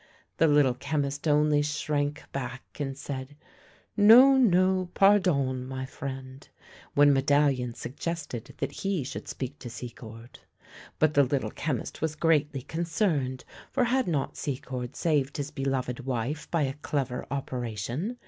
The Little Chemist only shrank back, and said, " No, no, pardon, my friend !" when Medallion suggested that he should speak to Secord. But the Little Chemist was greatly concerned — for had not Secord saved his beloved wife by a clever operation